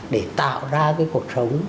để tạo ra cái cuộc sống